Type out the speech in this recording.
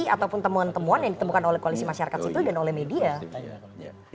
ataupun temuan temuan yang ditemukan oleh koalisi masyarakat sipil